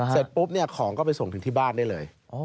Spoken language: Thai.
เสร็จปุ๊บเนี่ยของก็ไปส่งถึงที่บ้านได้เลย